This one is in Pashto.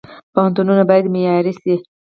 پوهنتونونه باید معیاري شي